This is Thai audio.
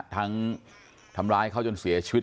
ทำร้ายเขาจนเสียชีวิต